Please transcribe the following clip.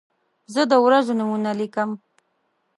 زه د ورځو نومونه لیکم.